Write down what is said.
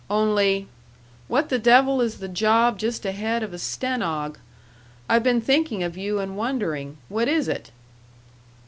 Only what the devil is the job just ahead of a stenog.? I've been thinking of you and wondering. What is it?"